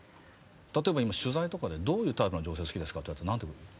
例えば今取材とかで「どういうタイプの女性好きですか？」って言われたら何て答えますか？